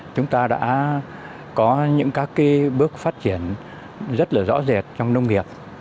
chúng ta đã có những các bước phát triển rất là rõ rệt trong nông nghiệp